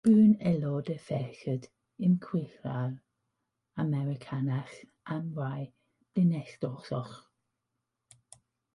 Bu'n aelod o Ferched y Chwyldro Americanaidd am rai blynyddoedd.